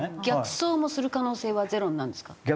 逆走もする可能性はゼロになるんですか？